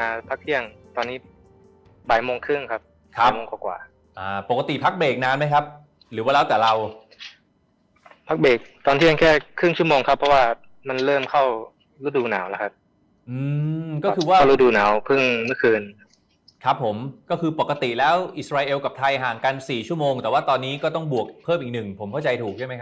มาพักเที่ยงตอนนี้บ่ายโมงครึ่งครับครับกว่าปกติพักเบรกนานไหมครับหรือว่าแล้วแต่เราพักเบรกตอนเที่ยงแค่ครึ่งชั่วโมงครับเพราะว่ามันเริ่มเข้ารูดูหนาวนะครับก็คือว่ารูดูหนาวเพิ่งเมื่อคืนครับผมก็คือปกติแล้วอิสราเอลกับไทยห่างกันสี่ชั่วโมงแต่ว่าตอนนี้ก็ต้องบวกเพิ่มอีกหนึ่งผมเข้าใจ